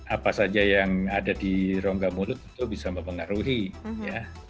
apa saja yang ada di rongga mulut itu bisa mempengaruhi ya